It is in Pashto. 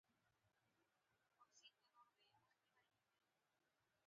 چې د تورې بلا پيغورونو بيخي په تنگ کړى وم.